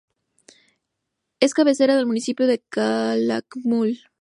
Es cabecera del Municipio de Calakmul.